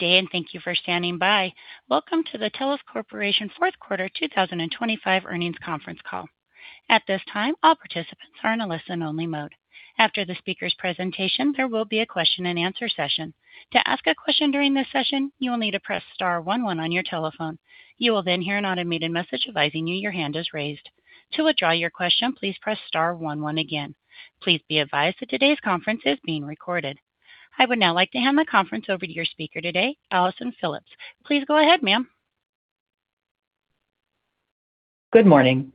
day and thank you for standing by. Welcome to the Telos Corporation fourth quarter 2025 earnings conference call. At this time, all participants are in a listen-only mode. After the speaker's presentation, there will be a question-and-answer session. To ask a question during this session, you will need to press star one one on your telephone. You will then hear an automated message advising you that your hand is raised. To withdraw your question, please press star one one again. Please be advised that today's conference is being recorded. I would now like to hand the conference over to your speaker today, Allison Phillipp. Please go ahead, ma'am. Good morning.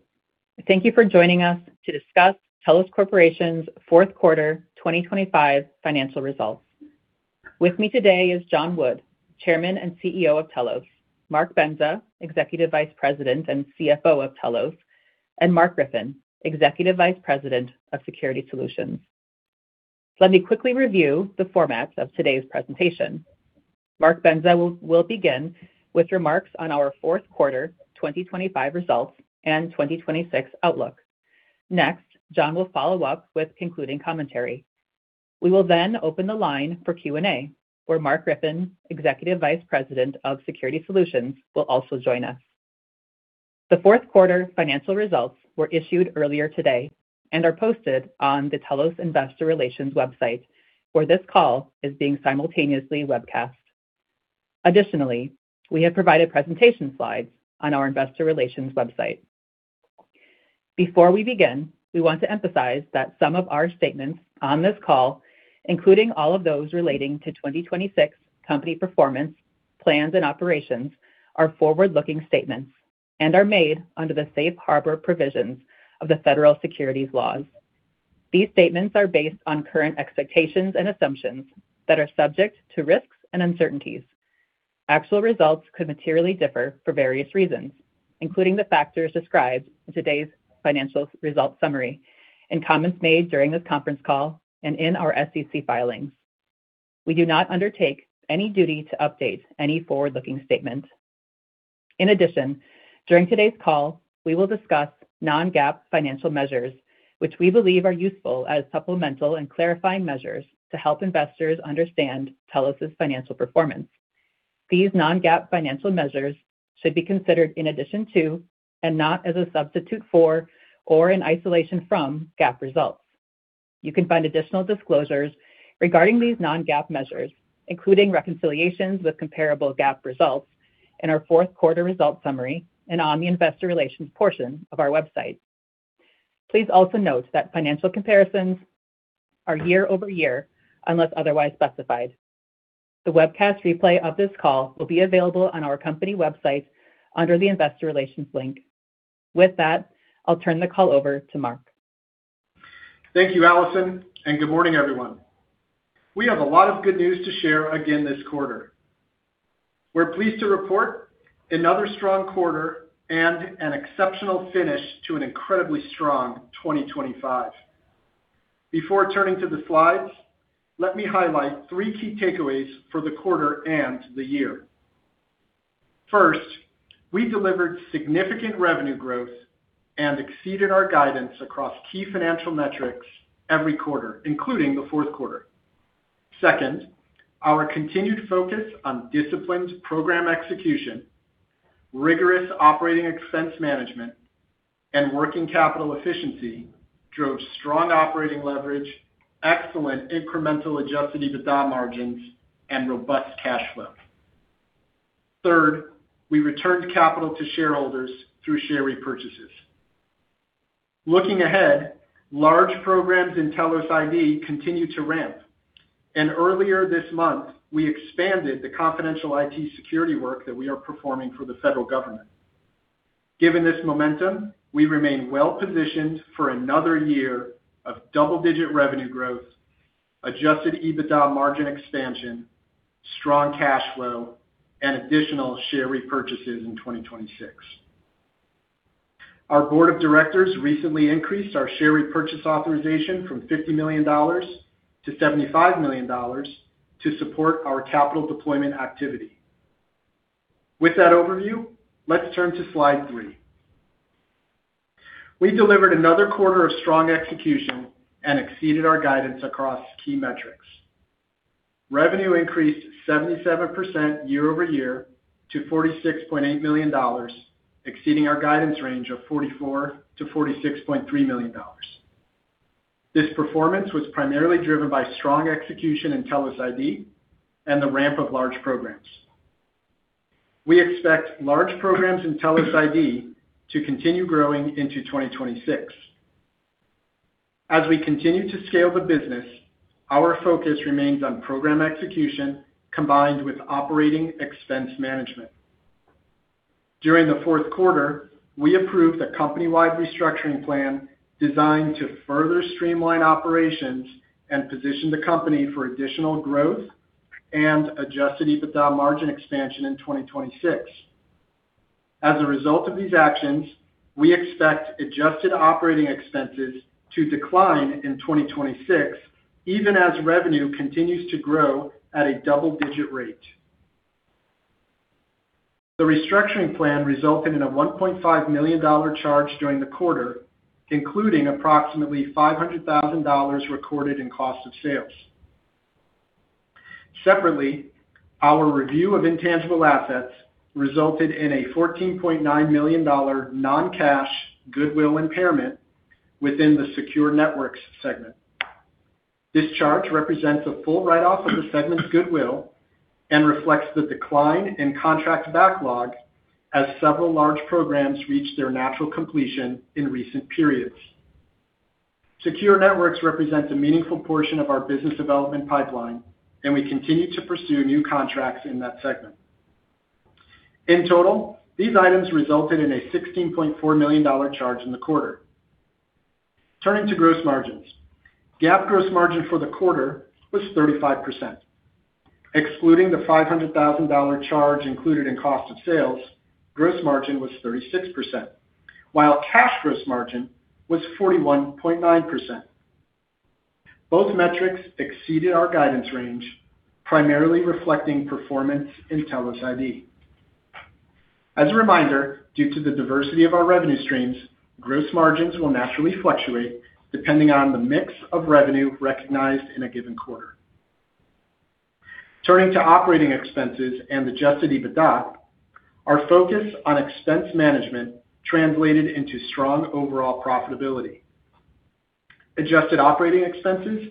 Thank you for joining us to discuss Telos Corporation's fourth quarter 2025 financial results. With me today is John B. Wood, Chairman and CEO of Telos, Mark Bendza, Executive Vice President and CFO of Telos, and Mark Griffin, Executive Vice President of Security Solutions. Let me quickly review the format of today's presentation. Mark Bendza will begin with remarks on our fourth quarter 2025 results and 2026 outlook. Next, John will follow up with concluding commentary. We will then open the line for Q&A, where Mark Griffin, Executive Vice President of Security Solutions, will also join us. The fourth quarter financial results were issued earlier today and are posted on the Telos Investor Relations website, where this call is being simultaneously webcast. Additionally, we have provided presentation slides on our investor relations website. Before we begin, we want to emphasize that some of our statements on this call, including all of those relating to 2026 company performance, plans, and operations, are forward-looking statements and are made under the safe harbor provisions of the federal securities laws. These statements are based on current expectations and assumptions that are subject to risks and uncertainties. Actual results could materially differ for various reasons, including the factors described in today's financial results summary, in comments made during this conference call, and in our SEC filings. We do not undertake any duty to update any forward-looking statements. In addition, during today's call, we will discuss non-GAAP financial measures, which we believe are useful as supplemental and clarifying measures to help investors understand Telos's financial performance. These non-GAAP financial measures should be considered in addition to and not as a substitute for or in isolation from GAAP results. You can find additional disclosures regarding these non-GAAP measures, including reconciliations with comparable GAAP results in our fourth quarter results summary and on the investor relations portion of our website. Please also note that financial comparisons are year-over-year unless otherwise specified. The webcast replay of this call will be available on our company website under the Investor Relations link. With that, I'll turn the call over to Mark. Thank you, Allison, and good morning, everyone. We have a lot of good news to share again this quarter. We're pleased to report another strong quarter and an exceptional finish to an incredibly strong 2025. Before turning to the slides, let me highlight three key takeaways for the quarter and the year. First, we delivered significant revenue growth and exceeded our guidance across key financial metrics every quarter, including the fourth quarter. Second, our continued focus on disciplined program execution, rigorous operating expense management, and working capital efficiency drove strong operating leverage, excellent incremental adjusted EBITDA margins, and robust cash flow. Third, we returned capital to shareholders through share repurchases. Looking ahead, large programs in Telos ID continue to ramp, and earlier this month, we expanded the confidential IT security work that we are performing for the federal government. Given this momentum, we remain well-positioned for another year of double-digit revenue growth, adjusted EBITDA margin expansion, strong cash flow, and additional share repurchases in 2026. Our board of directors recently increased our share repurchase authorization from $50 million to $75 million to support our capital deployment activity. With that overview, let's turn to slide 3. We delivered another quarter of strong execution and exceeded our guidance across key metrics. Revenue increased 77% year-over-year to $46.8 million, exceeding our guidance range of $44 million-$46.3 million. This performance was primarily driven by strong execution in Telos ID and the ramp of large programs. We expect large programs in Telos ID to continue growing into 2026. As we continue to scale the business, our focus remains on program execution combined with operating expense management. During the fourth quarter, we approved a company-wide restructuring plan designed to further streamline operations and position the company for additional growth and adjusted EBITDA margin expansion in 2026. As a result of these actions, we expect adjusted operating expenses to decline in 2026, even as revenue continues to grow at a double-digit rate. The restructuring plan resulted in a $1.5 million charge during the quarter, including approximately $500,000 recorded in cost of sales. Separately, our review of intangible assets resulted in a $14.9 million non-cash goodwill impairment within the Secure Networks segment. This charge represents a full write-off of the segment's goodwill and reflects the decline in contract backlog as several large programs reached their natural completion in recent periods. Secure Networks represents a meaningful portion of our business development pipeline, and we continue to pursue new contracts in that segment. In total, these items resulted in a $16.4 million charge in the quarter. Turning to gross margins. GAAP gross margin for the quarter was 35%. Excluding the $500,000 charge included in cost of sales, gross margin was 36%, while cash gross margin was 41.9%. Both metrics exceeded our guidance range, primarily reflecting performance in Telos ID. As a reminder, due to the diversity of our revenue streams, gross margins will naturally fluctuate depending on the mix of revenue recognized in a given quarter. Turning to operating expenses and adjusted EBITDA, our focus on expense management translated into strong overall profitability. Adjusted operating expenses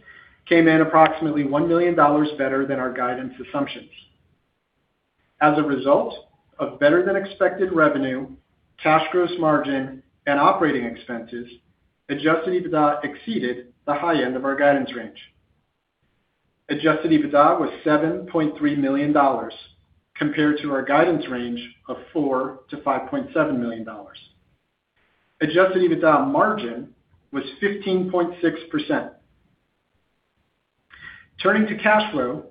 came in approximately $1 million better than our guidance assumptions. As a result of better-than-expected revenue, cash gross margin, and operating expenses, adjusted EBITDA exceeded the high end of our guidance range. Adjusted EBITDA was $7.3 million compared to our guidance range of $4-$5.7 million. Adjusted EBITDA margin was 15.6%. Turning to cash flow,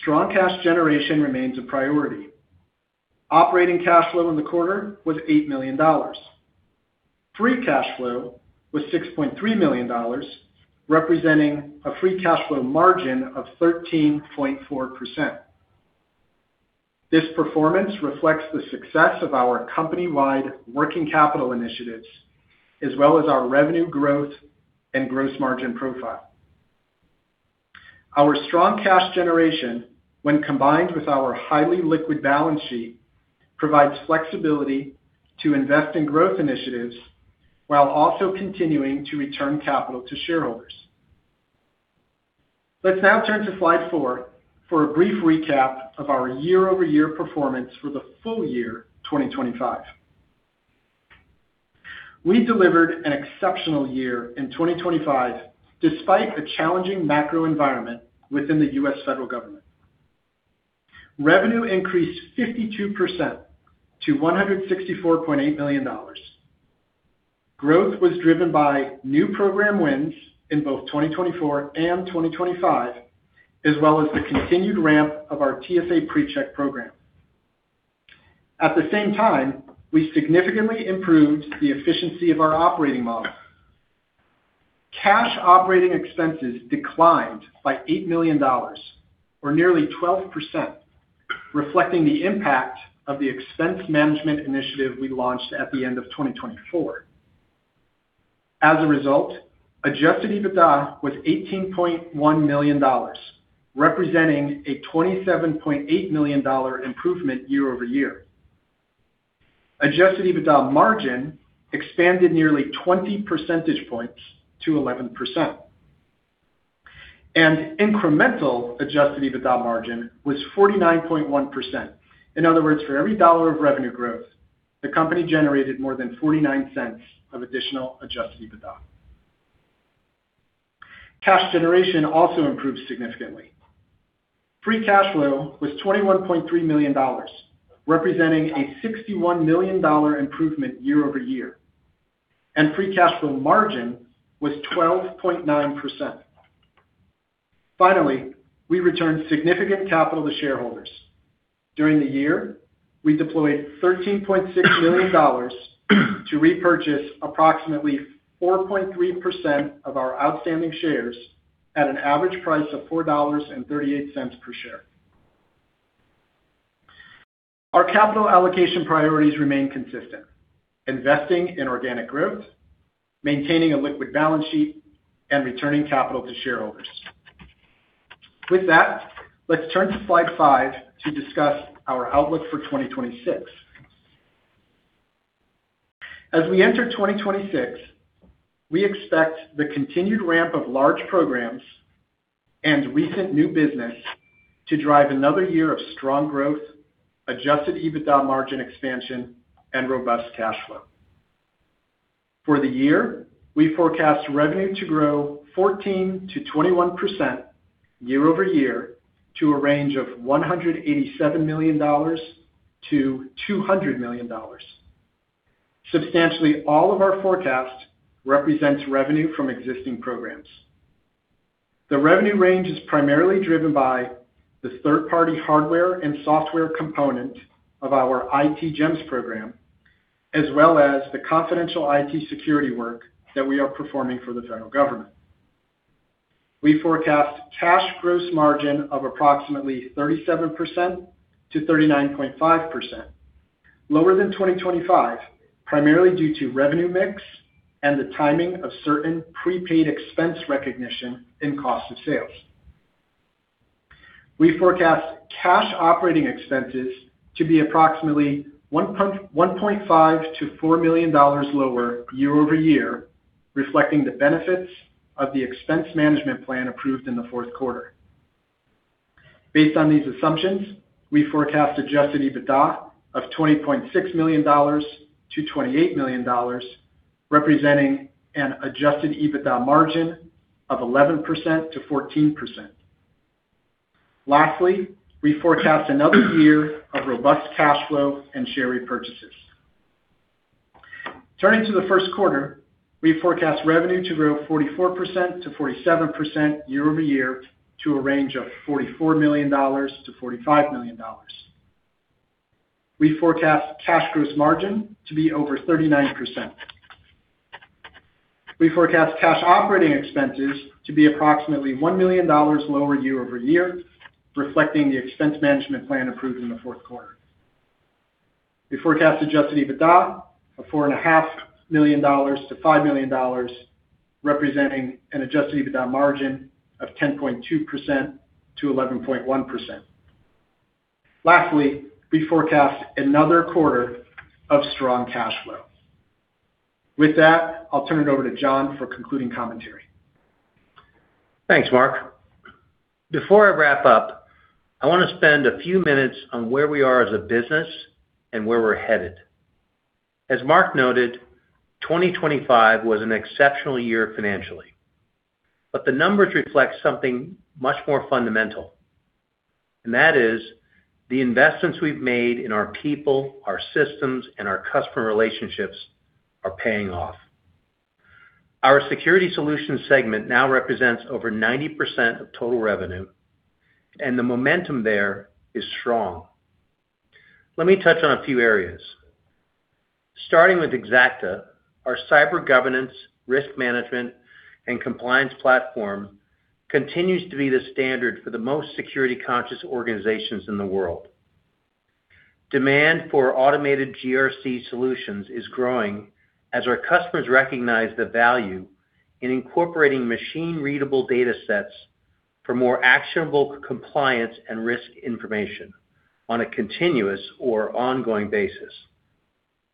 strong cash generation remains a priority. Operating cash flow in the quarter was $8 million. Free Cash Flow was $6.3 million, representing a Free Cash Flow margin of 13.4%. This performance reflects the success of our company-wide working capital initiatives as well as our revenue growth and gross margin profile. Our strong cash generation, when combined with our highly liquid balance sheet, provides flexibility to invest in growth initiatives while also continuing to return capital to shareholders. Let's now turn to slide four for a brief recap of our year-over-year performance for the full year 2025. We delivered an exceptional year in 2025 despite the challenging macro environment within the U.S. federal government. Revenue increased 52% to $164.8 million. Growth was driven by new program wins in both 2024 and 2025, as well as the continued ramp of our TSA PreCheck program. At the same time, we significantly improved the efficiency of our operating model. Cash operating expenses declined by $8 million or nearly 12%, reflecting the impact of the expense management initiative we launched at the end of 2024. As a result, adjusted EBITDA was $18.1 million, representing a $27.8 million improvement year-over-year. Adjusted EBITDA margin expanded nearly 20 percentage points to 11%. Incremental adjusted EBITDA margin was 49.1%. In other words, for every dollar of revenue growth, the company generated more than 49 cents of additional adjusted EBITDA. Cash generation also improved significantly. Free cash flow was $21.3 million, representing a $61 million improvement year-over-year, and free cash flow margin was 12.9%. Finally, we returned significant capital to shareholders. During the year, we deployed $13.6 million to repurchase approximately 4.3% of our outstanding shares at an average price of $4.38 per share. Our capital allocation priorities remain consistent, investing in organic growth, maintaining a liquid balance sheet, and returning capital to shareholders. With that, let's turn to slide 5 to discuss our outlook for 2026. As we enter 2026, we expect the continued ramp of large programs and recent new business to drive another year of strong growth, adjusted EBITDA margin expansion, and robust cash flow. For the year, we forecast revenue to grow 14%-21% year-over-year to a range of $187 million-$200 million. Substantially all of our forecast represents revenue from existing programs. The revenue range is primarily driven by the third-party hardware and software component of our IT GEMS program, as well as the confidential IT security work that we are performing for the federal government. We forecast cash gross margin of approximately 37%-39.5%, lower than 2025, primarily due to revenue mix and the timing of certain prepaid expense recognition in cost of sales. We forecast cash operating expenses to be approximately $1.5 million-$4 million lower year-over-year, reflecting the benefits of the expense management plan approved in the fourth quarter. Based on these assumptions, we forecast adjusted EBITDA of $20.6 million-$28 million, representing an adjusted EBITDA margin of 11%-14%. Lastly, we forecast another year of robust cash flow and share repurchases. Turning to the first quarter. We forecast revenue to grow 44%-47% year-over-year to a range of $44 million-$45 million. We forecast cash gross margin to be over 39%. We forecast cash operating expenses to be approximately $1 million lower year-over-year, reflecting the expense management plan approved in the fourth quarter. We forecast adjusted EBITDA of $4.5 million to $5 million, representing an adjusted EBITDA margin of 10.2%-11.1%. We forecast another quarter of strong cash flow. With that, I'll turn it over to John for concluding commentary. Thanks, Mark. Before I wrap up, I wanna spend a few minutes on where we are as a business and where we're headed. As Mark noted, 2025 was an exceptional year financially, but the numbers reflect something much more fundamental, and that is the investments we've made in our people, our systems, and our customer relationships are paying off. Our security solutions segment now represents over 90% of total revenue, and the momentum there is strong. Let me touch on a few areas. Starting with Xacta, our cyber governance, risk management, and compliance platform continues to be the standard for the most security-conscious organizations in the world. Demand for automated GRC solutions is growing as our customers recognize the value in incorporating machine-readable datasets for more actionable compliance and risk information on a continuous or ongoing basis.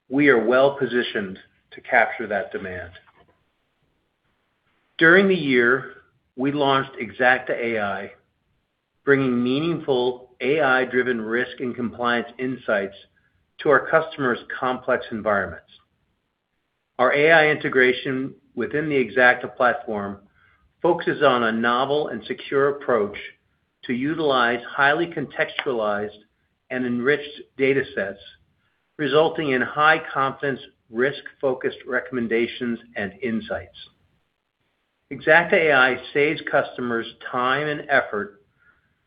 We are well-positioned to capture that demand. During the year, we launched Xacta.ai, bringing meaningful AI-driven risk and compliance insights to our customers' complex environments. Our AI integration within the Xacta platform focuses on a novel and secure approach to utilize highly contextualized and enriched datasets, resulting in high-confidence, risk-focused recommendations and insights. Xacta.ai saves customers time and effort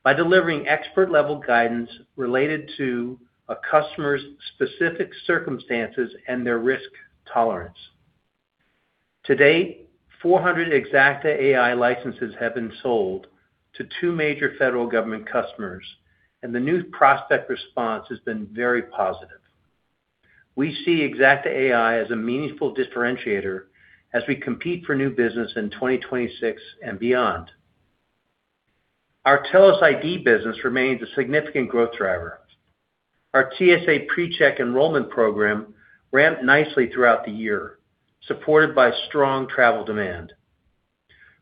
by delivering expert-level guidance related to a customer's specific circumstances and their risk tolerance. To date, 400 Xacta.ai licenses have been sold to two major federal government customers, and the new prospect response has been very positive. We see Xacta.ai as a meaningful differentiator as we compete for new business in 2026 and beyond. Our Telos ID business remains a significant growth driver. Our TSA PreCheck enrollment program ramped nicely throughout the year, supported by strong travel demand.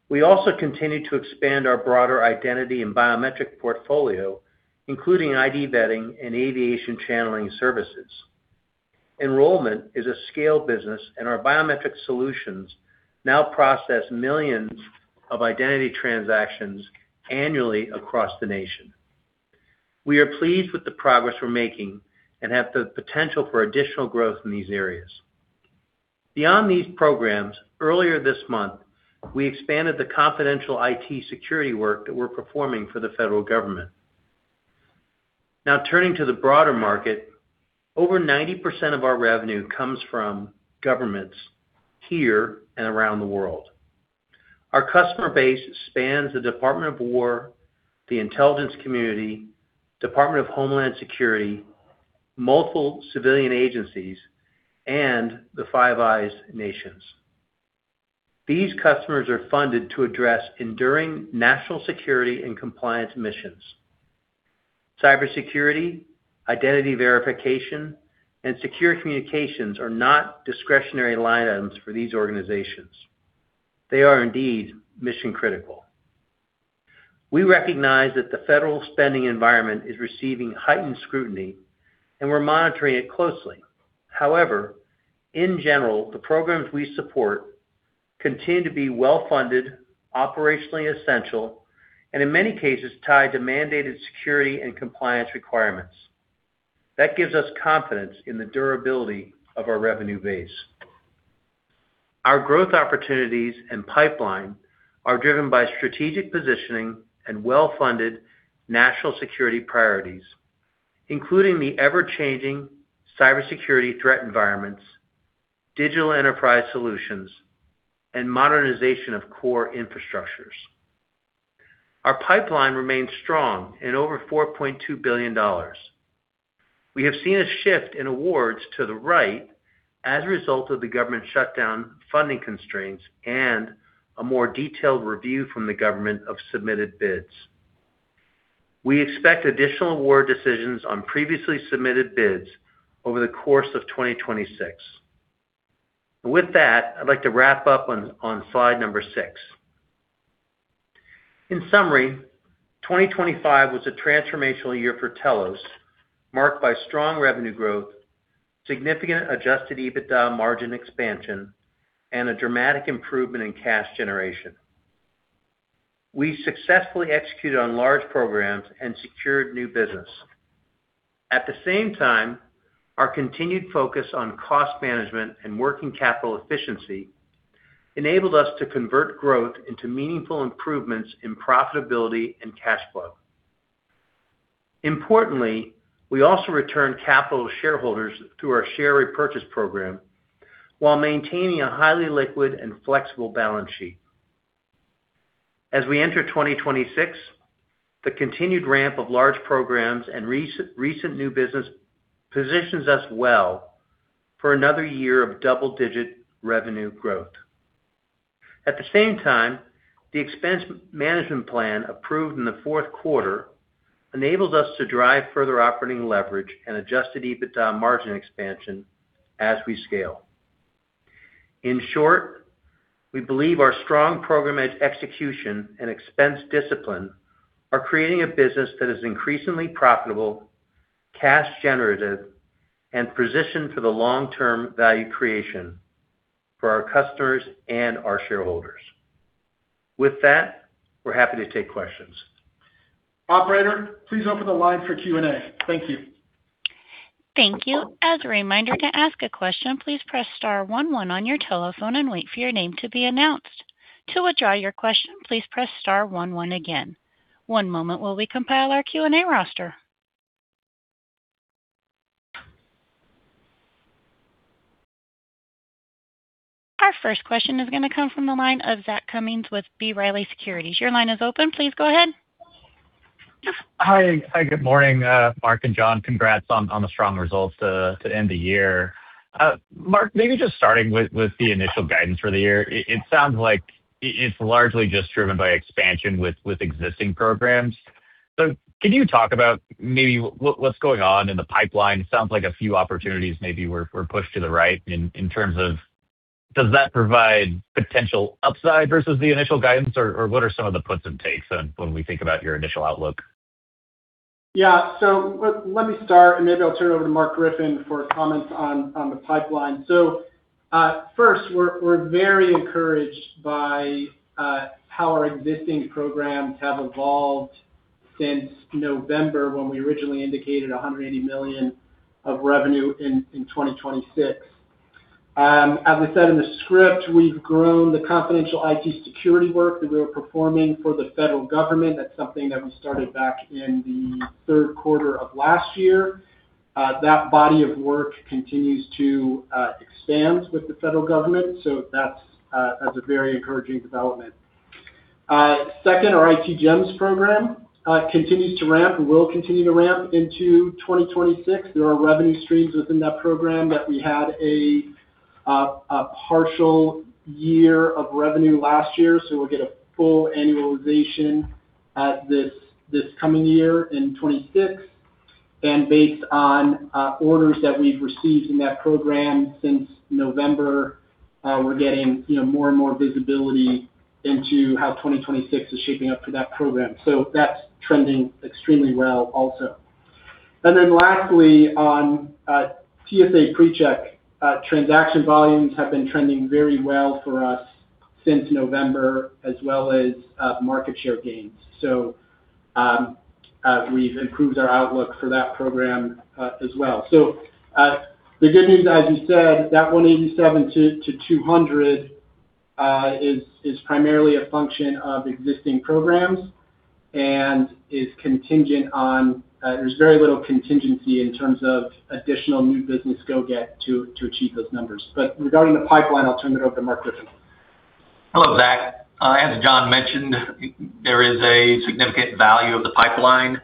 We also continued to expand our broader identity and biometric portfolio, including IDVetting and Aviation Channeling Services. Enrollment is a scale business, and our biometric solutions now process millions of identity transactions annually across the nation. We are pleased with the progress we're making and have the potential for additional growth in these areas. Beyond these programs, earlier this month, we expanded the confidential IT security work that we're performing for the federal government. Now turning to the broader market, over 90% of our revenue comes from governments here and around the world. Our customer base spans the Department of Defense, the intelligence community, Department of Homeland Security, multiple civilian agencies, and the Five Eyes nations. These customers are funded to address enduring national security and compliance missions. Cybersecurity, identity verification, and secure communications are not discretionary line items for these organizations. They are indeed mission-critical. We recognize that the federal spending environment is receiving heightened scrutiny, and we're monitoring it closely. However, in general, the programs we support continue to be well-funded, operationally essential, and in many cases, tied to mandated security and compliance requirements. That gives us confidence in the durability of our revenue base. Our growth opportunities and pipeline are driven by strategic positioning and well-funded national security priorities, including the ever-changing cybersecurity threat environments, digital enterprise solutions and modernization of core infrastructures. Our pipeline remains strong at over $4.2 billion. We have seen a shift in awards to the right as a result of the government shutdown, funding constraints and a more detailed review from the government of submitted bids. We expect additional award decisions on previously submitted bids over the course of 2026. With that, I'd like to wrap up on slide number six. In summary, 2025 was a transformational year for Telos, marked by strong revenue growth, significant adjusted EBITDA margin expansion, and a dramatic improvement in cash generation. We successfully executed on large programs and secured new business. At the same time, our continued focus on cost management and working capital efficiency enabled us to convert growth into meaningful improvements in profitability and cash flow. Importantly, we also returned capital to shareholders through our share repurchase program while maintaining a highly liquid and flexible balance sheet. As we enter 2026, the continued ramp of large programs and recent new business positions us well for another year of double-digit revenue growth. At the same time, the expense management plan approved in the fourth quarter enables us to drive further operating leverage and adjusted EBITDA margin expansion as we scale. In short, we believe our strong program edge execution and expense discipline are creating a business that is increasingly profitable, cash generative, and positioned for the long-term value creation for our customers and our shareholders. With that, we're happy to take questions. Operator, please open the line for Q&A. Thank you. Thank you. As a reminder, to ask a question, please press star one one on your telephone and wait for your name to be announced. To withdraw your question, please press star one one again. One moment while we compile our Q&A roster. Our first question is gonna come from the line of Zach Cummins with B. Riley Securities. Your line is open. Please go ahead. Hi. Hi. Good morning, Mark and John. Congrats on the strong results to end the year. Mark, maybe just starting with the initial guidance for the year. It sounds like it's largely just driven by expansion with existing programs. Can you talk about maybe what's going on in the pipeline? It sounds like a few opportunities maybe were pushed to the right in terms of does that provide potential upside versus the initial guidance or what are some of the puts and takes when we think about your initial outlook? Yeah. Let me start, and maybe I'll turn it over to Mark Griffin for comments on the pipeline. First, we're very encouraged by how our existing programs have evolved since November when we originally indicated $180 million of revenue in 2026. As I said in the script, we've grown the confidential IT security work that we were performing for the federal government. That's something that we started back in the third quarter of last year. That body of work continues to expand with the federal government, so that's a very encouraging development. Second, our IT GEMS program continues to ramp and will continue to ramp into 2026. There are revenue streams within that program that we had a partial year of revenue last year, so we'll get a full annualization at this coming year in 2026. Based on orders that we've received in that program since November, we're getting, you know, more and more visibility into how 2026 is shaping up for that program. That's trending extremely well also. Then lastly, on TSA PreCheck, transaction volumes have been trending very well for us since November, as well as market share gains. We've improved our outlook for that program, as well. The good news, as you said, that $187-$200 is primarily a function of existing programs and is contingent on, there's very little contingency in terms of additional new business go get to achieve those numbers. Regarding the pipeline, I'll turn it over to Mark Griffin. Hello, Zach. As John mentioned, there is a significant value of the pipeline.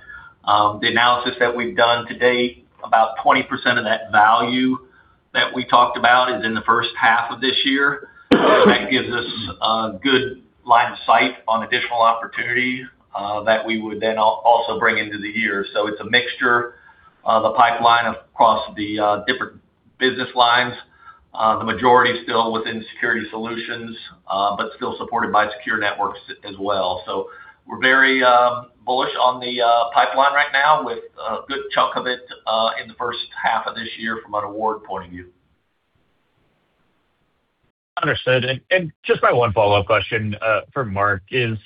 The analysis that we've done to date, about 20% of that value that we talked about is in the first half of this year. That gives us a good line of sight on additional opportunities that we would then also bring into the year. It's a mixture of the pipeline across the different business lines. The majority still within Security Solutions, but still supported by Secure Networks as well. We're very bullish on the pipeline right now with a good chunk of it in the first half of this year from an award point of view. Understood. Just my one follow-up question for Mark is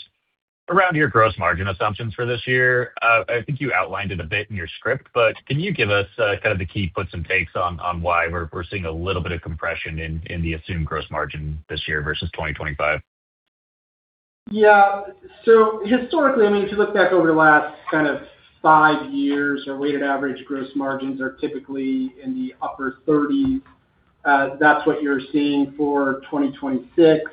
around your gross margin assumptions for this year. I think you outlined it a bit in your script, but can you give us kind of the key puts and takes on why we're seeing a little bit of compression in the assumed gross margin this year versus 2025? Yeah. Historically, I mean, if you look back over the last kind of five years, our weighted average gross margins are typically in the upper 30s%. That's what you're seeing for 2026.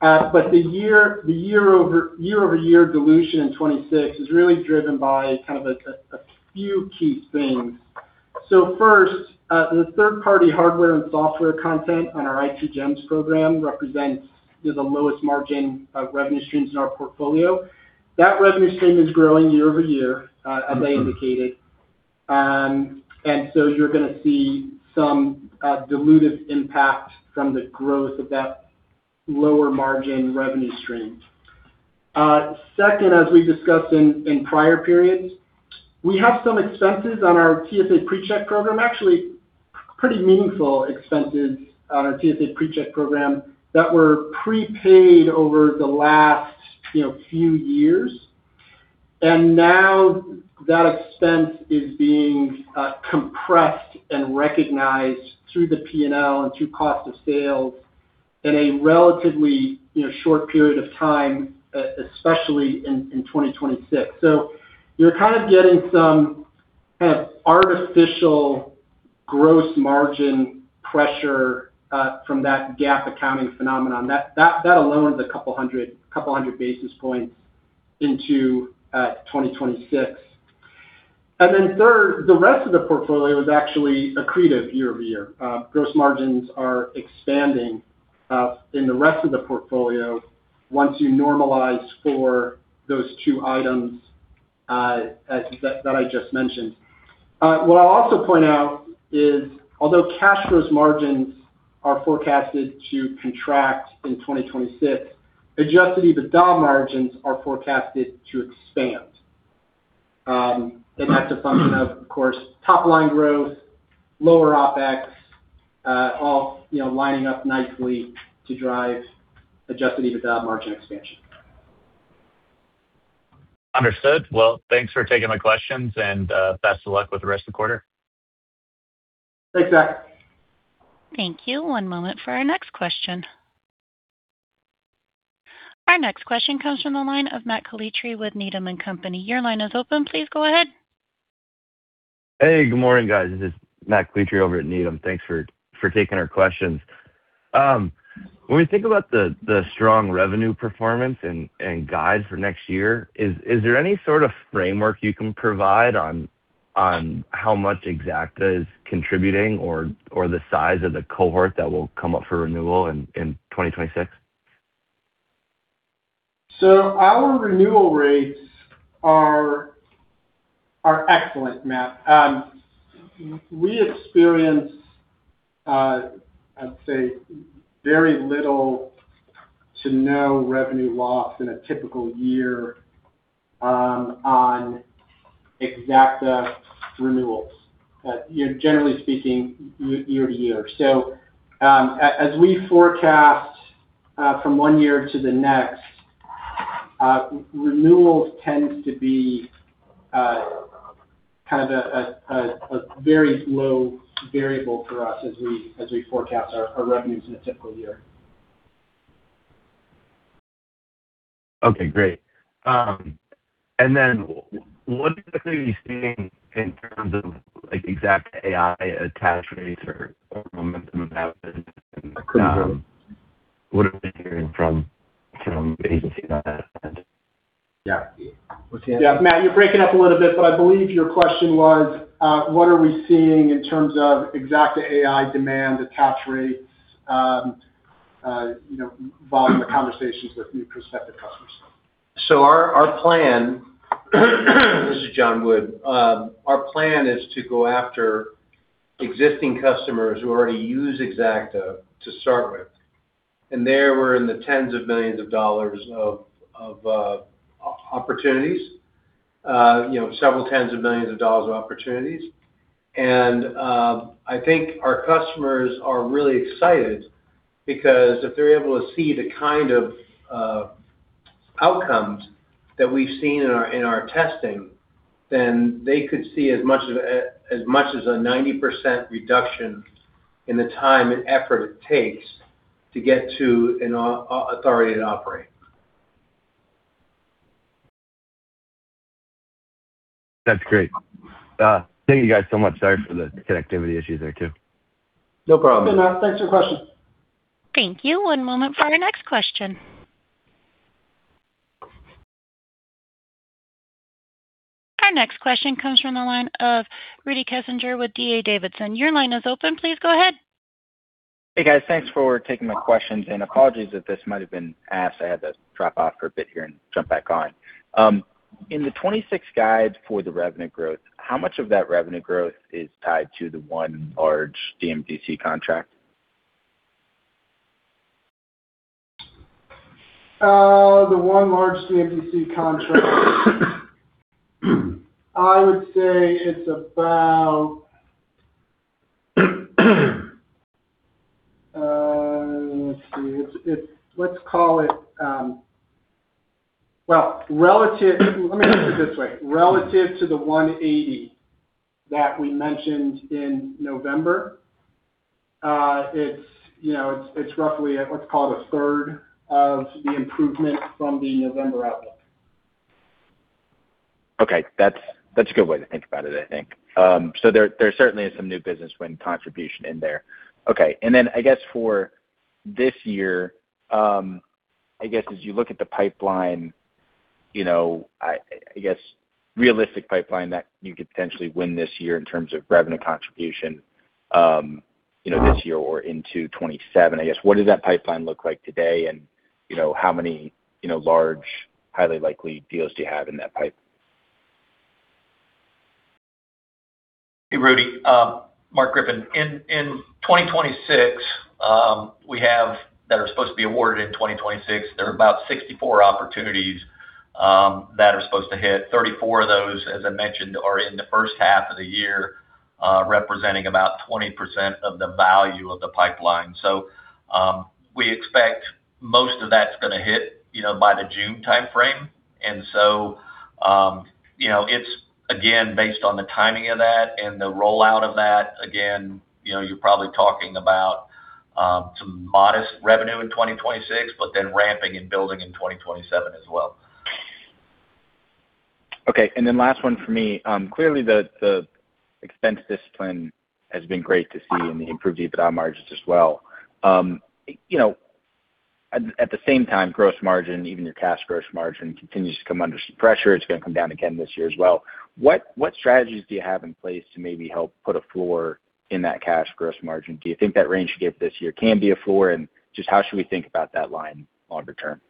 But year-over-year dilution in 2026 is really driven by kind of a few key things. First, the third-party hardware and software content on our IT GEMS program represents the lowest margin of revenue streams in our portfolio. That revenue stream is growing year-over-year. Mm-hmm. As I indicated. You're gonna see some dilutive impact from the growth of that lower margin revenue stream. Second, as we discussed in prior periods, we have some expenses on our TSA PreCheck program. Actually, pretty meaningful expenses on our TSA PreCheck program that were prepaid over the last, you know, few years. Now that expense is being compressed and recognized through the P&L and through cost of sales in a relatively, you know, short period of time, especially in 2026. You're kind of getting some kind of artificial gross margin pressure from that GAAP accounting phenomenon. That alone is a couple hundred basis points into 2026. Then third, the rest of the portfolio is actually accretive year-over-year. Gross margins are expanding in the rest of the portfolio once you normalize for those two items that I just mentioned. What I'll also point out is, although cash gross margins are forecasted to contract in 2026, adjusted EBITDA margins are forecasted to expand. That's a function of course, top line growth, lower OpEx, all you know, lining up nicely to drive adjusted EBITDA margin expansion. Understood. Well, thanks for taking my questions and, best of luck with the rest of the quarter. Thanks, Zach. Thank you. One moment for our next question. Our next question comes from the line of Matt Calitri with Needham & Company. Your line is open. Please go ahead. Hey, good morning, guys. This is Matt Calitri over at Needham. Thanks for taking our questions. When we think about the strong revenue performance and guide for next year, is there any sort of framework you can provide on how much Xacta is contributing or the size of the cohort that will come up for renewal in 2026? Our renewal rates are excellent, Matt. We experience, I'd say, very little to no revenue loss in a typical year on Xacta renewals, you know, generally speaking, year to year. As we forecast from one year to the next, renewals tends to be kind of a very low variable for us as we forecast our revenues in a typical year. Okay, great. What specifically are you seeing in terms of, like, Xacta.ai attach rates or momentum of that business and what are we hearing from agencies on that front? Yeah. What's the- Yeah. Matt, you're breaking up a little bit, but I believe your question was what are we seeing in terms of Xacta.ai demand attach rates, you know, via the conversations with new prospective customers. Our plan, this is John B. Wood. Our plan is to go after existing customers who already use Xacta to start with. There we're in the $ tens of millions of opportunities, you know, several $ tens of millions of opportunities. I think our customers are really excited because if they're able to see the kind of outcomes that we've seen in our testing, then they could see as much as a 90% reduction in the time and effort it takes to get to an Authority to Operate. That's great. Thank you guys so much. Sorry for the connectivity issues there too. No problem. It's okay, Matt. Thanks for your question. Thank you. One moment for our next question. Our next question comes from the line of Rudy Kessinger with D.A. Davidson. Your line is open. Please go ahead. Hey, guys. Thanks for taking my questions. Apologies if this might have been asked. I had to drop off for a bit here and jump back on. In the 2026 guide for the revenue growth, how much of that revenue growth is tied to the one large DMDC contract? The one large DMDC contract. Let me put it this way, relative to the $180 that we mentioned in November, it's, you know, it's roughly, let's call it a third of the improvement from the November outlook. Okay. That's a good way to think about it, I think. There certainly is some new business win contribution in there. Okay. I guess for this year, I guess as you look at the pipeline, you know, I guess realistic pipeline that you could potentially win this year in terms of revenue contribution, you know, this year or into 2027, I guess, what does that pipeline look like today and, you know, how many, you know, large, highly likely deals do you have in that pipe? Hey, Rudy. Mark Griffin. In 2026, there are about 64 opportunities that are supposed to be awarded in 2026. 34 of those, as I mentioned, are in the first half of the year, representing about 20% of the value of the pipeline. We expect most of that's gonna hit, you know, by the June timeframe. You know, it's again, based on the timing of that and the rollout of that, again, you know, you're probably talking about some modest revenue in 2026, but then ramping and building in 2027 as well. Okay. Last one for me. Clearly the expense discipline has been great to see in the improved EBITDA margins as well. At the same time, gross margin, even your cash gross margin continues to come under some pressure. It's gonna come down again this year as well. What strategies do you have in place to maybe help put a floor in that cash gross margin? Do you think that range you gave this year can be a floor? Just how should we think about that line longer term?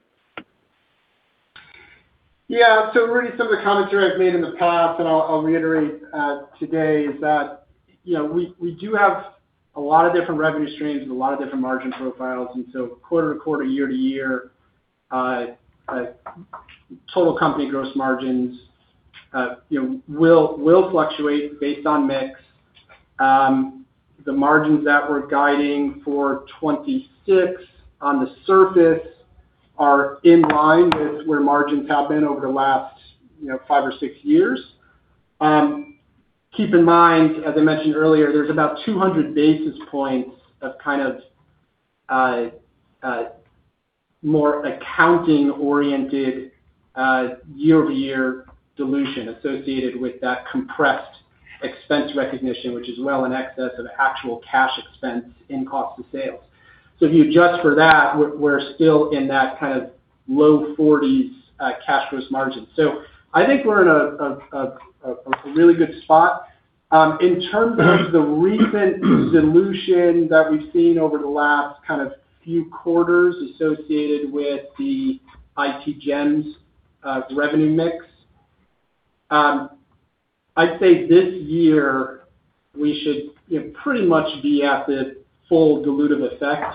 Yeah. Rudy, some of the commentary I've made in the past, and I'll reiterate today, is that, you know, we do have a lot of different revenue streams and a lot of different margin profiles. Quarter to quarter, year to year, total company gross margins, you know, will fluctuate based on mix. The margins that we're guiding for 2026 on the surface are in line with where margins have been over the last, you know, five or six years. Keep in mind, as I mentioned earlier, there's about 200 basis points of kind of more accounting-oriented year-over-year dilution associated with that compressed expense recognition, which is well in excess of actual cash expense in cost of sales. If you adjust for that, we're still in that kind of low 40s% cash gross margin. I think we're in a really good spot. In terms of the recent dilution that we've seen over the last kind of few quarters associated with the IT GEMS revenue mix, I'd say this year we should, you know, pretty much be at the full dilutive effect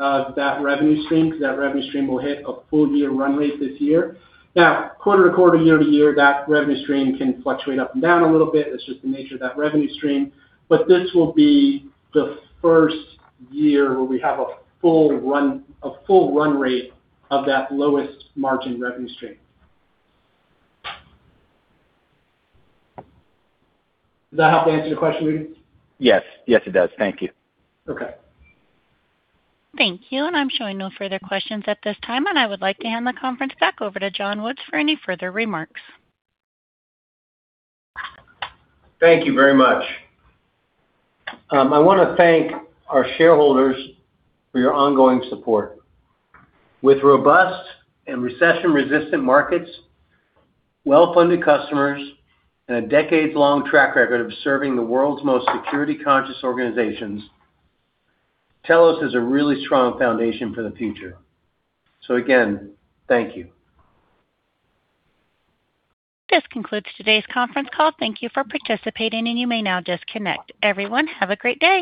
of that revenue stream, 'cause that revenue stream will hit a full year run rate this year. Now, quarter to quarter, year to year, that revenue stream can fluctuate up and down a little bit. That's just the nature of that revenue stream. This will be the first year where we have a full run rate of that lowest margin revenue stream. Does that help to answer your question, Rudy? Yes. Yes, it does. Thank you. Okay. Thank you. I'm showing no further questions at this time, and I would like to hand the conference back over to John Wood for any further remarks. Thank you very much. I wanna thank our shareholders for your ongoing support. With robust and recession-resistant markets, well-funded customers, and a decades-long track record of serving the world's most security conscious organizations, Telos has a really strong foundation for the future. Again, thank you. This concludes today's conference call. Thank you for participating, and you may now disconnect. Everyone, have a great day.